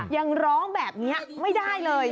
ยังร้องแบบนี้ไม่ได้เลย